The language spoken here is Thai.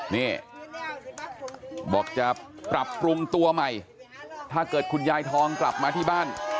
นี่บอกจะปรับปรุงตัวใหม่ถ้าเกิดคุณยายทองกลับมาที่บ้าน